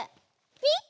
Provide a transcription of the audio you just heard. ピッ！